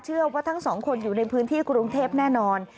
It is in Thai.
เชื่อว่าทั้งสองคนอยู่ในพื้นที่กรุงเทพแน่นอน